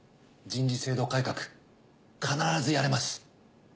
人事制度改革必ずやれます。